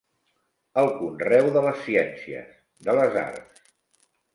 El conreu de les ciències, de les arts.